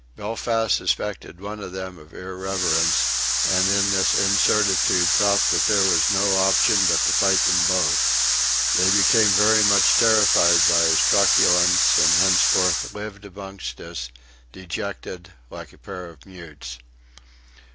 Belfast suspected one of them of irreverence, and in this incertitude thought that there was no option but to fight them both. They became very much terrified by his truculence, and henceforth lived amongst us, dejected, like a pair of mutes.